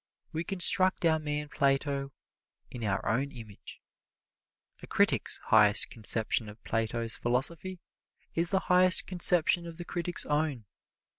We construct our man Plato in our own image. A critic's highest conception of Plato's philosophy is the highest conception of the critic's own.